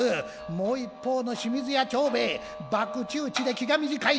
もう一方の清水屋長兵衛博打打ちで気が短い。